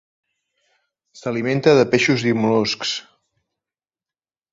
S'alimenta de peixos i mol·luscs.